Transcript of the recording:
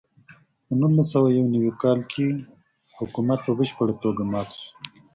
په نولس سوه یو نوي کال کې حکومت په بشپړه توګه مات شو.